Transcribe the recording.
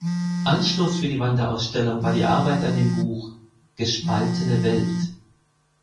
Anstoß für eine Wanderausstellung war die Arbeit an dem Buch "Gespaltene Welt".